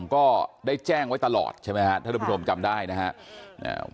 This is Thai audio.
ก็ได้แจ้งไว้ตลอดใช่ไหมครับท่านผู้ชมจำได้นะครับ